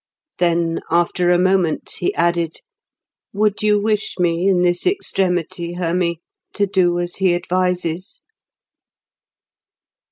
Then, after a moment, he added, "Would you wish me in this extremity, Hermy, to do as he advises?"